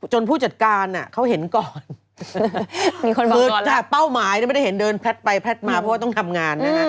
ผู้จัดการเขาเห็นก่อนคือเป้าหมายไม่ได้เห็นเดินแพลตไปแพลตมาเพราะว่าต้องทำงานนะฮะ